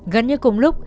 gần như cùng lúc